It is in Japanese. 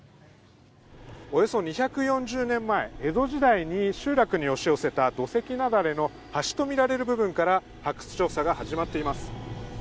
およそ２４０年前江戸時代に集落に押し寄せた土石なだれの端とみられる部分から発掘調査が始まっています。